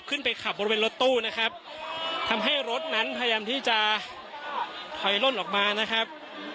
ขึ้นไปขับบริเวณรถตู้นะครับทำให้รถนั้นพยายามที่จะถอยล่นออกมานะครับ